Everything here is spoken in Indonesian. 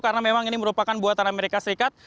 karena memang ini merupakan buatan amerika serikat